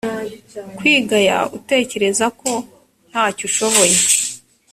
kwigaya utekereza ko nta cyo ushoboye